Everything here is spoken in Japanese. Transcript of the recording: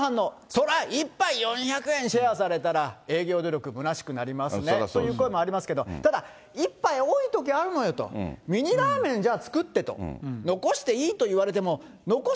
そりゃ、１杯４００円シェアされたら、営業努力むなしくなりますねという声もありますけど、ただ、一杯、多いときあるのよと、ミニラーメン、じゃあ、作ってと。